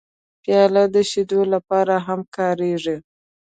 پیاله د شیدو لپاره هم کارېږي.